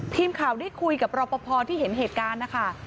ทีมข่าวได้คุยกับรอปภที่เห็นเหตุการณ์นะคะ